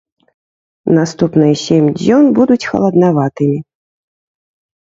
Наступныя сем дзён будуць халаднаватымі.